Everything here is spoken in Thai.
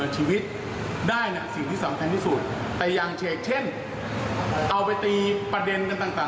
ชีวิตได้นะสิ่งที่สำคัญที่สุดแต่อย่างเฉกเช่นเอาไปตีประเด็นกันต่าง